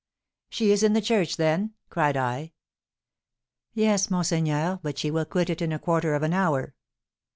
"She is in the church, then?" cried I. "Yes, monseigneur, but she will quit it in a quarter of an hour."